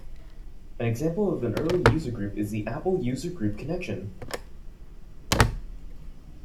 An example of an early user group is the Apple User Group Connection.